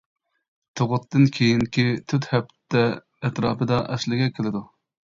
تۇغۇتتىن كېيىنكى تۆت ھەپتە ئەتراپىدا ئەسلىگە كېلىدۇ.